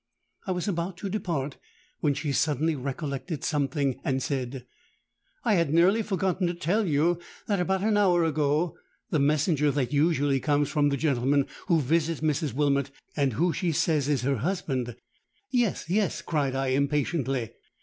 I was about to depart, when she suddenly recollected something, and said, 'I had nearly forgotten to tell you that about an hour ago, the messenger that usually comes from the gentleman who visits Mrs. Wilmot, and who she says is her husband—'—'Yes, yes,' cried I impatiently.